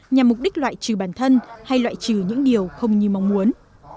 nhằm mục đích loại trừ bản thân hay loại trừ những điều không như mong muốn